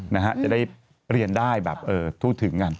นะฮะจะได้เรียนได้แบบทวทึง๑๙๖๐น